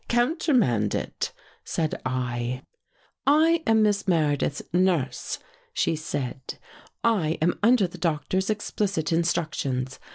"' Countermand it! ' said I. "' I am Miss Meredith's nurse,' she said. ' I am under the doctor's explicit instructions.